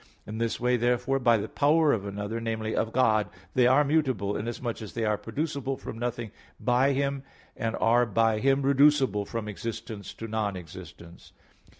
In this way therefore, by the power of another namely, of God they are mutable, inasmuch as they are producible from nothing by Him, and are by Him reducible from existence to non existence.